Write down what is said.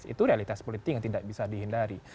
itu realitas politik yang tidak bisa dihindari